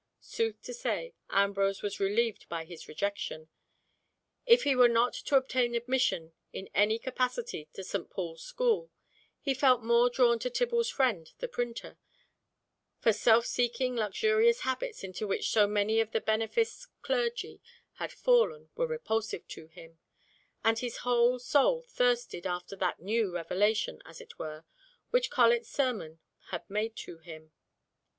Sooth to say, Ambrose was relieved by his rejection. If he were not to obtain admission in any capacity to St. Paul's School, he felt more drawn to Tibble's friend the printer; for the self seeking luxurious habits into which so many of the beneficed clergy had fallen were repulsive to him, and his whole soul thirsted after that new revelation, as it were, which Colet's sermon had made to him.